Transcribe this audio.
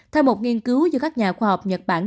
theo một nghiên cứu do các nhà khoa học nhật bản